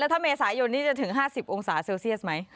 ถ้าเมษายนนี้จะถึง๕๐องศาเซลเซียสไหม